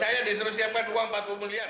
saya disuruh siapkan uang empat puluh miliar